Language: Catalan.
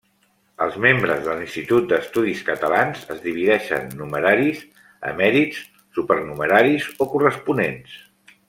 Els membres de l'Institut d'Estudis Catalans es divideixen numeraris, emèrits, supernumeraris o corresponents.